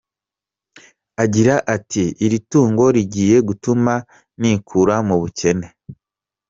Agira ati “Iri tungo rigiye gutuma nikura mu bukene.